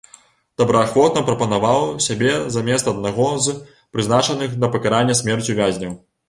Добраахвотна прапанаваў сябе замест аднаго з прызначаных да пакарання смерцю вязняў.